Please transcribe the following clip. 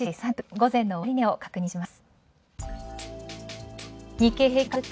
午前の終値を確認します。